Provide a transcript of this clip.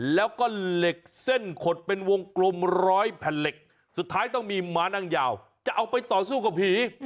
แล้วก็เหล็กเส้นขดเป็นวงกลมร้อยแผ่นเหล็กสุดท้ายต้องมีม้านั่งยาวจะเอาไปต่อสู้กับผี